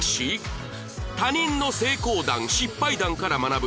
他人の成功談失敗談から学ぶ